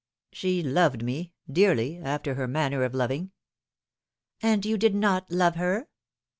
" She loved me dearly after her manner of loving." " And you did not love her